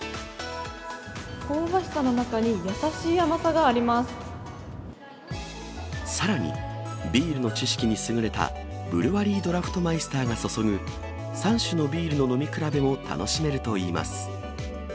香ばしさの中に、さらに、ビールの知識に優れたブルワリードラフトマイスターが注ぐ３種のビールの飲み比べも楽しめるといいます。